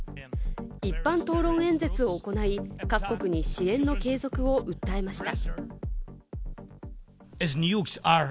一般討論演説を行い、各国に支援の継続を訴えました。